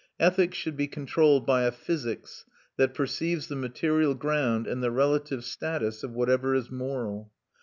Ethics should be controlled by a physics that perceives the material ground and the relative status of whatever is moral.